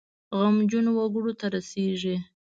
غمجنو وګړو ته رسیږي.